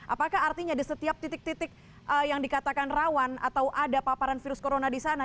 apakah artinya di setiap titik titik yang dikatakan rawan atau ada paparan virus corona di sana